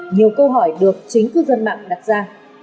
nhiều câu hỏi được chính cư dân mạng đặt ra